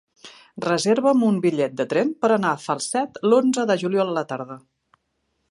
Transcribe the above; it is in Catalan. Reserva'm un bitllet de tren per anar a Falset l'onze de juliol a la tarda.